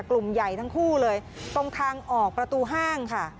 กลุ่มใหญ่ทั้งคู่เลยตรงทางออกประตูห้างค่ะ